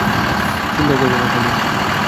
চিন্তাও করবে না এটা নিয়ে।